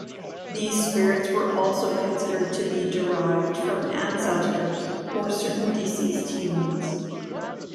These spirits were also considered to be derived from ancestors or certain deceased humans.